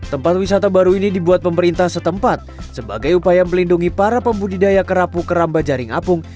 tempat wisata baru ini dibuat pemerintah setempat sebagai upaya melindungi para pembudidaya kerapu keramba jaring apung